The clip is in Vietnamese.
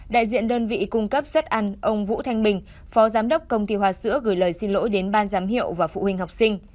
đại diện đơn vị cung cấp suất ăn ông vũ thanh bình phó giám đốc công ty hoa sữa gửi lời xin lỗi đến ban giám hiệu và phụ huynh học sinh